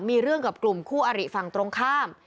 มีเรื่องกับกลุ่มคู่อริฝั่งตรงข้าม